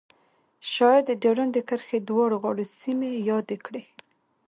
شاعر د ډیورنډ د کرښې دواړو غاړو سیمې یادې کړې